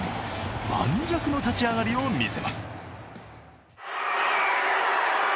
磐石の立ち上がりを見せます。